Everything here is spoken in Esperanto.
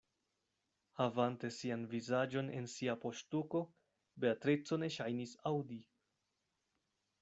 Havante sian vizaĝon en sia poŝtuko, Beatrico ne ŝajnis aŭdi.